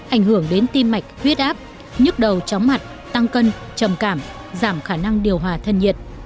ảnh hưởng đến tim mạch huyết áp nhức đầu chóng mặt tăng cân trầm cảm giảm khả năng điều hòa thân nhiệt